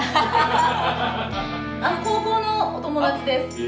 高校のお友達です。